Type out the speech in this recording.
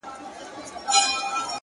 • زلفي راټال سي گراني،